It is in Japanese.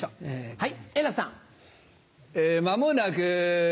はい。